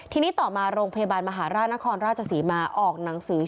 ทีนี้ต่อมาโรงพยาบาลมหาราชนครราชศรีมาออกหนังสือ